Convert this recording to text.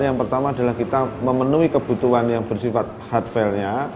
yang pertama adalah kita memenuhi kebutuhan yang bersifat hard failnya